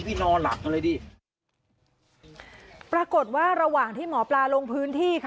ปรากฏว่าระหว่างที่หมอปลารงพื้นที่ค่ะ